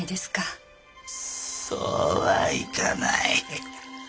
そうはいかない。